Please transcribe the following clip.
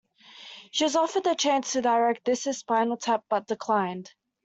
She was offered the chance to direct "This is Spinal Tap", but declined.